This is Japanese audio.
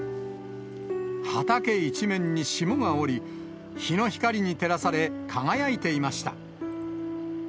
畑一面に霜が降り、日の光に照らされ、輝いていました。